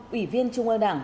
ủy viên trung ương đảng